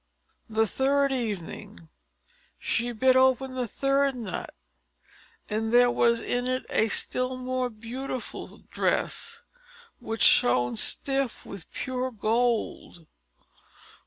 The third evening, she bit open the third nut; and there was in it a still more beautiful dress, which shone stiff with pure gold.